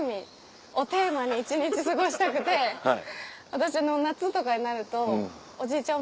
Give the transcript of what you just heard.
私夏とかになるとおじいちゃん